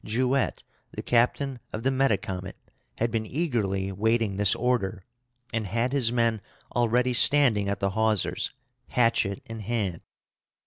Jouett, the captain of the Metacomet, had been eagerly waiting this order, and had his men already standing at the hawsers, hatchet in hand.